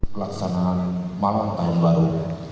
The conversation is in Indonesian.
pelaksanaan malam tahun baru